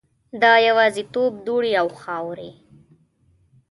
د یوازیتوب دوړې او خاورې